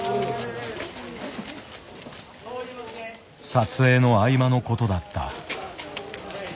撮影の合間のことだった。